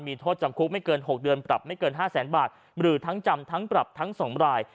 มีโทษจำคุกไม่เกิน๖เดือนปรับไม่เกิน๕แสนบาทหรือทั้งจำทั้งปรับทั้ง๒ราย